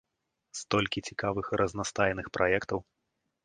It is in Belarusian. Столькі цікавых і разнастайных праектаў.